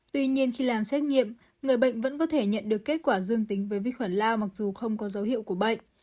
tuy nhiên khi làm xét nghiệm người bệnh vẫn có thể nhận được kết quả dương tính với vi khuẩn lao mặc dù không có dấu hiệu của bệnh